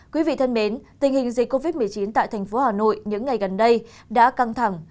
quý vị thân mến tình hình dịch covid một mươi chín tại thành phố hà nội những ngày gần đây đã căng thẳng